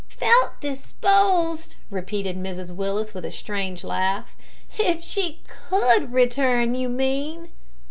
"Felt disposed!" repeated Mrs Willis, with a strange laugh. "If she could return, you mean."